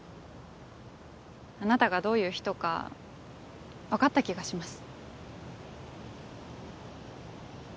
あなたがどういう人か分かった気がします